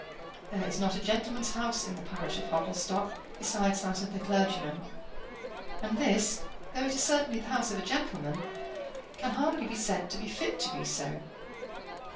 There is not a gentleman's house in the parish of Hogglestock besides that of the clergyman; and this, though it is certainly the house of a gentleman, can hardly be said to be fit to be so.